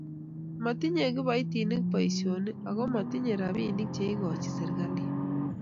matinyei kiboitinik boisionik aku matinyei robinik che ikochini serikalit.